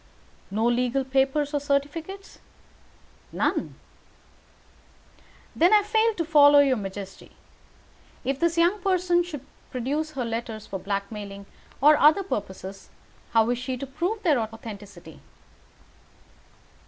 "No legal papers or certificates?" "None." "Then I fail to follow your majesty. If this young person should produce her letters for blackmailing or other purposes, how is she to prove their authenticity?"